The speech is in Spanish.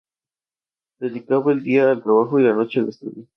Dedicaba el día al trabajo y la noche al estudio.